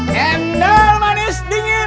cendol manis dingin